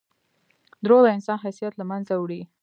• دروغ د انسان حیثیت له منځه وړي.